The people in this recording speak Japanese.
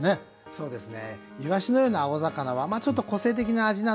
そうですね。